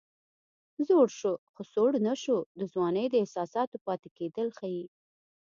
زوړ شو خو سوړ نه شو د ځوانۍ د احساساتو پاتې کېدل ښيي